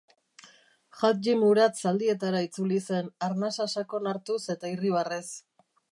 Hadji-Murat zaldietara itzuli zen, arnasa sakon hartuz eta irribarrez.